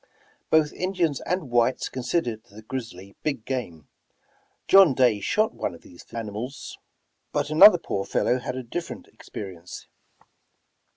Both Indians and whites considered the grizzly big game. John Day shot one of these fierce animals, but another poor fellow had a different experience.